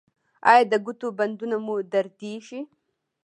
ایا د ګوتو بندونه مو دردیږي؟